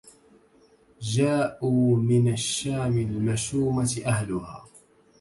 جاؤوا من الشام المشومة أهلها